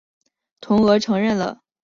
同俄承认了十姓部落的相对独立地位。